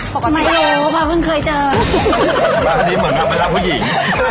ไม่เลยอาจริงเพราะว่าเพิ่งเคยเจอแล้วอันนี้เหมือนว่าไปรับผู้หญิง